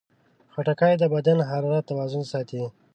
خټکی د بدن د حرارت توازن ساتي.